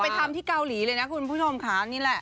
ทำที่เกาหลีเลยนะคุณผู้ชมค่ะนี่แหละ